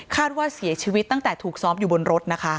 ว่าเสียชีวิตตั้งแต่ถูกซ้อมอยู่บนรถนะคะ